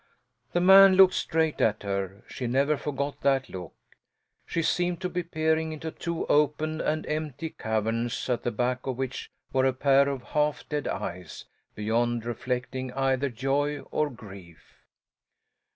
The man looked straight at her; she never forgot that look; she seemed to be peering into two open and empty caverns at the back of which were a pair of half dead eyes, beyond reflecting either joy or grief.